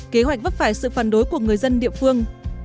kế hoạch vấp phải sự phản đối của người dân địa phương